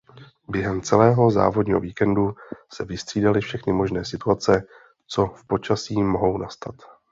Během celého závodního víkendu se vystřídali všechny možné situace co v počasí mohou nastat.